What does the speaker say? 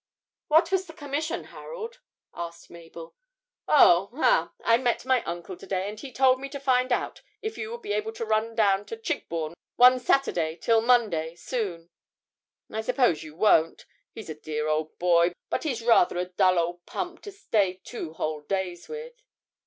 'What was the commission, Harold?' asked Mabel. 'Oh, ah! I met my uncle to day, and he told me to find out if you would be able to run down to Chigbourne one Saturday till Monday soon. I suppose you won't. He's a dear old boy, but he's rather a dull old pump to stay two whole days with.'